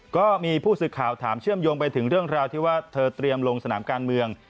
ก็มีผู้สื่อข่าวถามเชื่อมโยงไปถึงเรื่องราวที่ว่าเธอเตรียมลงสนามการเมือง